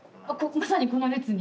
まさにこの列に。